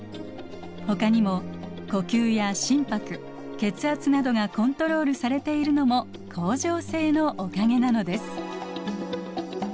ほかにも呼吸や心拍血圧などがコントロールされているのも恒常性のおかげなのです。